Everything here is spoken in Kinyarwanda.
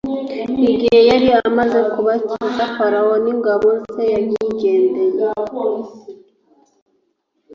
igihe yari amaze kubakiza Farawo n’ ingaboze yarigendeye.